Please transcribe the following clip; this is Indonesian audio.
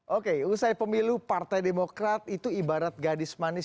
oke usai pemilu partai demokrat itu ibarat gadis manis